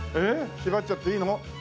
縛っちゃっていいの？